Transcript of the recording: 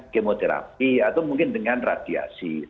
kemoterapi atau mungkin dengan radiasi